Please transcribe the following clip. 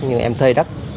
nhưng em thuê đất